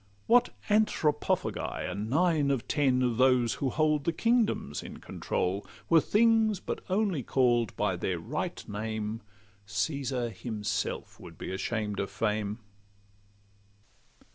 What Anthropophagi are nine of ten Of those who hold the kingdoms in control Were things but only call'd by their right name, Caesar himself would be ashamed of fame.